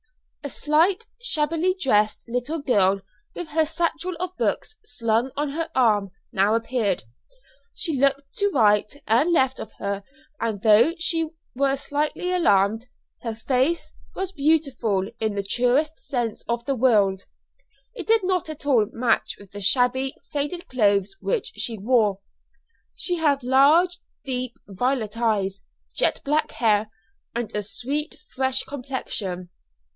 A slight, shabbily dressed little girl, with her satchel of books slung on her arm, now appeared. She looked to right and left of her as though she were slightly alarmed. Her face was beautiful in the truest sense of the world; it did not at all match with the shabby, faded clothes which she wore. She had large deep violet eyes, jet black hair, and a sweet, fresh complexion.